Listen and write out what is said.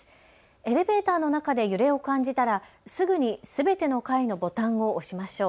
エレベーターの中で揺れを感じたらすぐにすべての階のボタンを押しましょう。